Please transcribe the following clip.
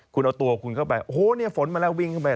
คุณเอาตัวคุณเข้าไปโอ้โหเนี่ยฝนมาแล้ววิ่งเข้าไป